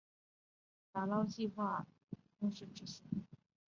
打捞计画依其迫切性与预算考量而有不同的执行方式。